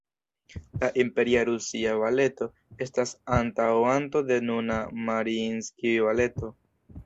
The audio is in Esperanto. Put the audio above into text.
La "Imperia Rusia Baleto" estas antaŭanto de nuna "Mariinskij-Baleto".